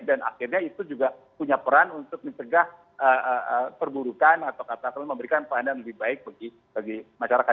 dan akhirnya itu juga punya peran untuk mencegah perburukan atau kata kata memberikan pandangan lebih baik bagi masyarakat